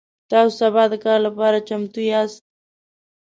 تاسو سبا د کار لپاره چمتو یاست؟